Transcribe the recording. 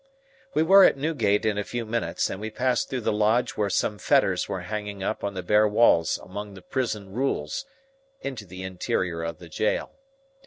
We were at Newgate in a few minutes, and we passed through the lodge where some fetters were hanging up on the bare walls among the prison rules, into the interior of the jail.